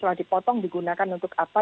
telah dipotong digunakan untuk apa